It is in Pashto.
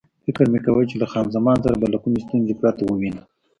فکر مې کاوه چې له خان زمان سره به له کومې ستونزې پرته ووینو.